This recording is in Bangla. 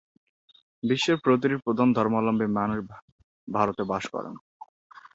বিশ্বের প্রতিটি প্রধান ধর্মাবলম্বী মানুষ ভারতে বাস করেন।